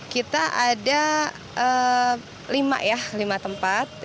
kita ada lima tempat